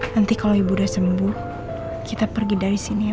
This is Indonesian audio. nanti kalo ibu udah sembuh kita pergi dari sini ya bu